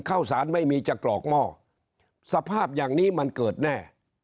ข้าวสารไม่มีจะกรอกหม้อสภาพอย่างนี้มันเกิดแน่